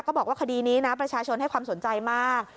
บอกว่าคดีนี้นะประชาชนให้ความสนใจมาก